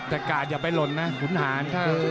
แต่กาดอย่าไปหล่นนะขุนหาร